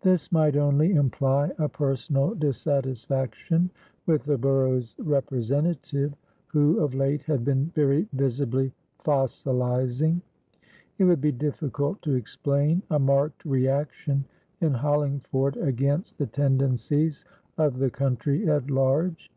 This might only imply a personal dissatisfaction with the borough's representative, who of late had been very visibly fossilising; it would be difficult to explain a marked reaction in Hollingford against the tendencies of the country at large.